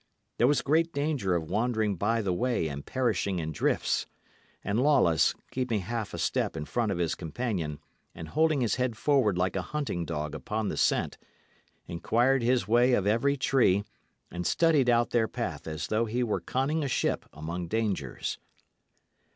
There was great danger of wandering by the way and perishing in drifts; and Lawless, keeping half a step in front of his companion, and holding his head forward like a hunting dog upon the scent, inquired his way of every tree, and studied out their path as though he were conning a ship among dangers.